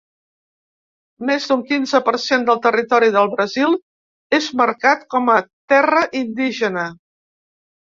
Més d’un quinze per cent del territori del Brasil és marcat com a terra indígena.